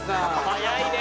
早いね！